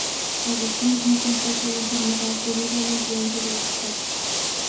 Augustin no contrajo la enfermedad debido a la influencia del alcohol.